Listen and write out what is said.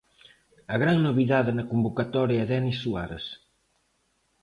A gran novidade na convocatoria é Denis Suárez.